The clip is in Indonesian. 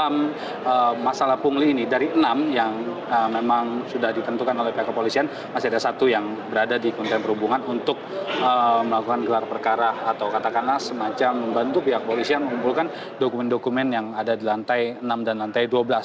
dalam masalah pungli ini dari enam yang memang sudah ditentukan oleh pihak kepolisian masih ada satu yang berada di kementerian perhubungan untuk melakukan gelar perkara atau katakanlah semacam membantu pihak polisi yang mengumpulkan dokumen dokumen yang ada di lantai enam dan lantai dua belas